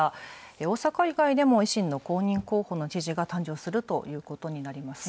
大阪以外でも、維新の公認候補の知事が誕生するということになりますね。